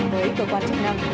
với cơ quan chức năng